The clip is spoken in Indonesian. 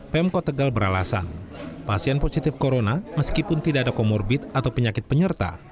pemkot tegal beralasan pasien positif corona meskipun tidak ada comorbid atau penyakit penyerta